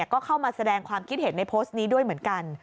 ก็เข้ามาแสดงความคิดเห็นในโพสต์นี้ด้วยเหมือนกัน